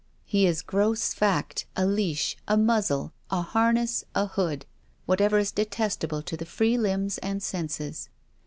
He is gross fact, a leash, a muzzle, harness, a hood; whatever is detestable to the free limbs and senses.